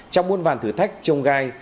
trong buôn vàn thử thách trông gai